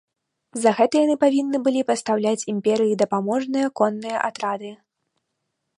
За гэта яны павінны былі пастаўляць імперыі дапаможныя конныя атрады.